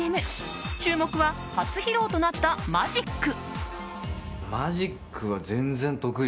注目は、初披露となったマジック。